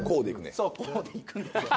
そう甲でいくんですよ。